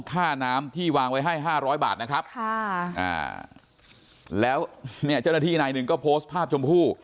ค่าน้ำที่วางไว้ให้๕๐๐บาทนะครับแล้วเนี่ยเจ้าหน้าที่นายหนึ่งก็โพสต์ภาพชมพู่